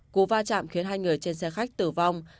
cú va chạm khiến hai người trên xe khách tử vong